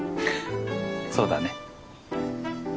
そうだね。